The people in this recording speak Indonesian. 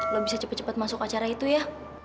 lo bisa cepat cepat masuk acara itu ya